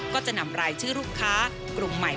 ก็จะนำรายชื่อลูกค้ากลุ่มใหม่